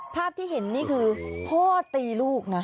ภาพที่เห็นนี่คือพ่อตีลูกนะ